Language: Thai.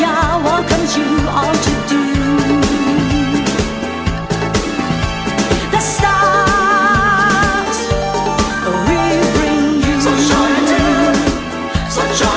อากาศพัฒน์เดียว